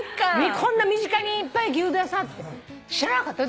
こんな身近にいっぱい牛丼屋さんあって知らなかった。